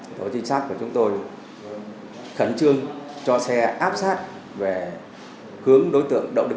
tôi trình sát của chúng tôi khẩn trương cho xe áp sát về hướng đối tượng đậu đức một mươi